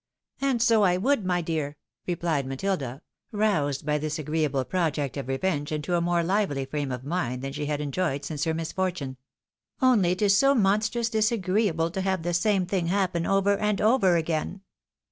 " And so I would, my dear," rephed Matilda, roused by this agreeable project of revenge into a Uvelier frame of mind than she had enjoyed since her misfortune ;" only it is so monstrous disagreeaMe to have the same thing happen again and again."